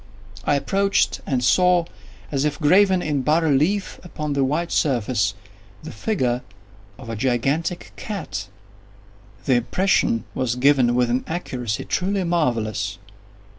I approached and saw, as if graven in bas relief upon the white surface, the figure of a gigantic cat. The impression was given with an accuracy truly marvellous.